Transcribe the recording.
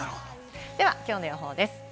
ではきょうの予報です。